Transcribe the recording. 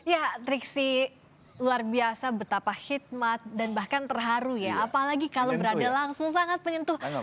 ya triksi luar biasa betapa hikmat dan bahkan terharu ya apalagi kalau berada langsung sangat menyentuh